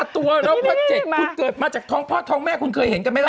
ตัวเราก็๗คุณเกิดมาจากท้องพ่อท้องแม่คุณเคยเห็นกันไหมล่ะ